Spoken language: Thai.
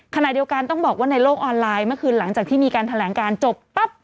ขณะเดียวกันต้องบอกว่าในโลกออนไลน์เมื่อคืนหลังจากที่มีการแถลงการจบปั๊บ